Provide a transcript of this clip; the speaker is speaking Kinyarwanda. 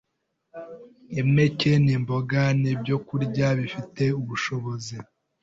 impeke n’imboga nk’ibyokurya bifite ubushobozi